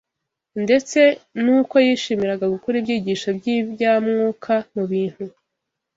ndetse n’uko yishimiraga gukura ibyigisho by’ibya Mwuka mu bintu